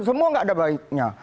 semua enggak ada baiknya